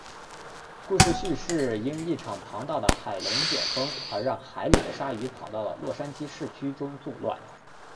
故事叙述因一场庞大的海龙卷风而让海里的鲨鱼跑到了洛杉矶市区中作乱。